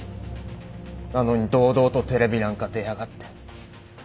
なのに堂々とテレビなんか出やがって。